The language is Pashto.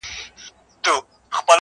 • له څه مودې راهيسي داسـي يـمـه.